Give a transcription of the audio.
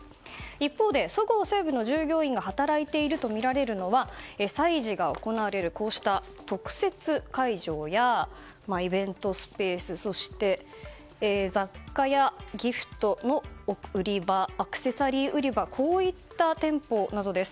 一方でそごう・西武の従業員が働いているとみられているのは催事が行われる特設会場やイベントスペースそして雑貨やギフトの売り場アクセサリー売り場などこういった店舗です。